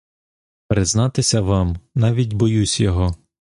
Признатися вам, навіть боюсь його.